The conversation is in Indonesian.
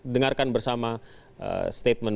dengarkan bersama statement